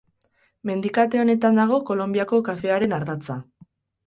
Mendikate honetan dago Kolonbiako kafearen ardatza.